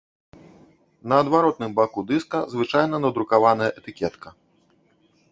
На адваротным боку дыска звычайна надрукаваная этыкетка.